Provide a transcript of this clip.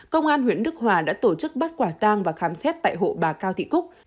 công an huyện đức hòa đã tổ chức bắt quả tang và khám xét tại hộ bà cao thị cúc